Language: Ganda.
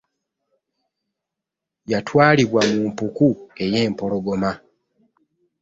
Yatwalibwa mu mpuku eyempologoma .